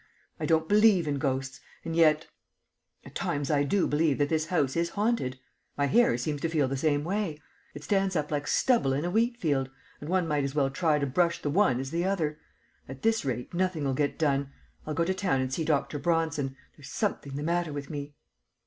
I don't believe in ghosts and yet at times I do believe that this house is haunted. My hair seems to feel the same way. It stands up like stubble in a wheat field, and one might as well try to brush the one as the other. At this rate nothing'll get done. I'll go to town and see Dr. Bronson. There's something the matter with me."